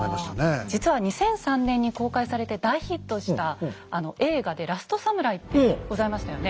実は２００３年に公開されて大ヒットした映画で「ラストサムライ」ってございましたよね。